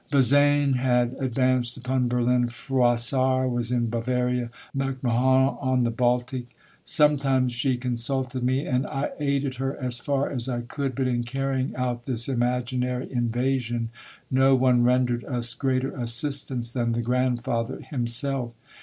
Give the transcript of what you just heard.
Bazaine had advanced upon Berlin, Froissart was in Bavaria, MacMahon on the Baltic ! Sometimes she con sulted me, and I aided her as far as I could, but in carrying out this imaginary invasion no one ren dered us greater assistance than the grandfather himself.